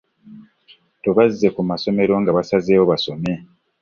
Tubazze ku masomero nga basazeewo basome.